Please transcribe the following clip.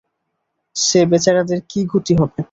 সে বেচারাদের কী গতি হবে?